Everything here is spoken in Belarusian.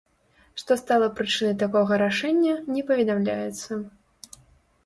Што стала прычынай такога рашэння, не паведамляецца.